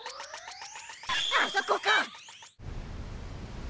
あそこか！